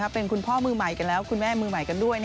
เป็นคุณพ่อมือใหม่กันแล้วคุณแม่มือใหม่กันด้วย